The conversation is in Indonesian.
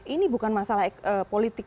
ini bukan masalah politik